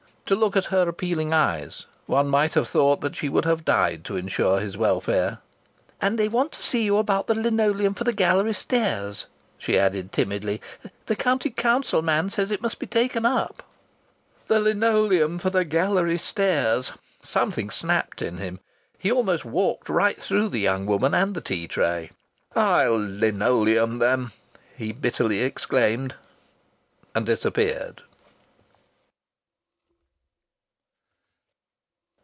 To look at her appealing eyes one might have thought that she would have died to ensure his welfare. "And they want to see you about the linoleum for the gallery stairs," she added timidly. "The County Council man says it must be taken up." The linoleum for the gallery stairs! Something snapped in him. He almost walked right through the young woman and the tea tray. "I'll linoleum them!" he bitterly exclaimed, and disappeared.